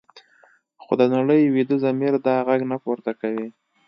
خو د نړۍ ویده ضمیر دا غږ نه پورته کوي.